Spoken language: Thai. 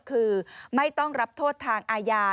คือไม่ต้องรับโทษทางอาญา